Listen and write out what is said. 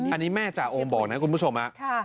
อันนี้แม่จ่าโอมบอกนะคุณผู้ชม